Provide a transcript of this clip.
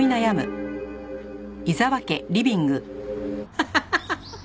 ハハハハハ！